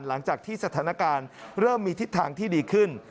หลังจากที่สถานการณ์เริ่มมีทิศทางที่ดีขึ้น